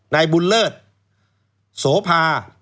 นายบุญเลิศโสภา